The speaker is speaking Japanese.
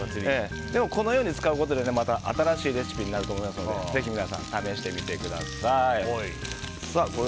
でもこのように使うことで新しいレシピになると思いますのでぜひ皆さん、試してみてください。